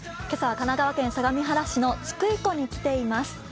今日は神奈川県相模原市の津久井湖に来ています。